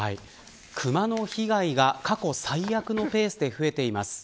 クマの被害が過去最悪のペースで増えています。